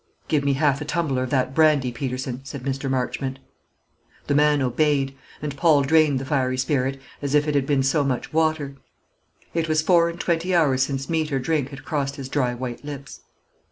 "Give me half a tumbler of that brandy, Peterson," said Mr. Marchmont. The man obeyed; and Paul drained the fiery spirit as if it had been so much water. It was four and twenty hours since meat or drink had crossed his dry white lips.